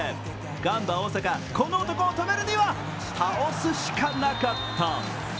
ガンバ大阪、この男を止めるには倒すしかなかった。